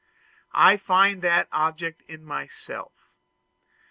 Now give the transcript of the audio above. I find that object in myself.